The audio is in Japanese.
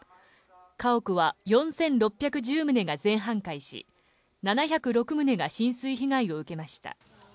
家屋は４６１０棟が全半壊し、７０６棟が浸水被害を受けました。